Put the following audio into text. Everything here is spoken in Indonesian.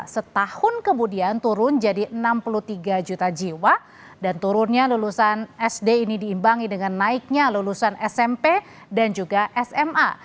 setahun kemudian turun jadi enam puluh tiga juta jiwa dan turunnya lulusan sd ini diimbangi dengan naiknya lulusan smp dan juga sma